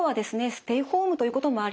ステイホームということもありまして